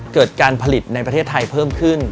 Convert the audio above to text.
เกิดการผลิตในประเทศไทยเพิ่มขึ้น